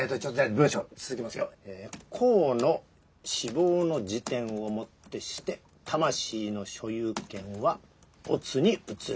「甲の死亡の時点をもってして魂の所有権は乙に移るものとする」と！